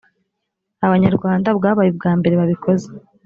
abanyarwanda bwabaye ubwambere babikoze